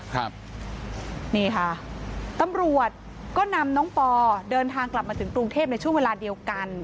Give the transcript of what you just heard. ครับนี่ค่ะตำรวจก็นำน้องปอเดินทางกลับมาถึงกรุงเทพในช่วงเวลาเดียวกัน